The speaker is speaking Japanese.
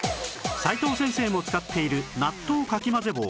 齋藤先生も使っている納豆かき混ぜ